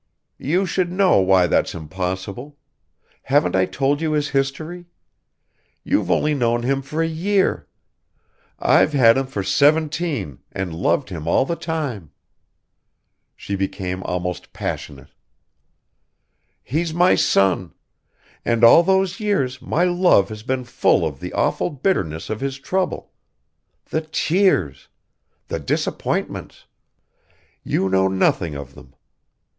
"You should know why that's impossible. Haven't I told you his history? You've only known him for a year. I've had him for seventeen and loved him all the time." She became almost passionate. "He's my son. And all those years my love has been full of the awful bitterness of his trouble. The tears! The disappointments! You know nothing of them.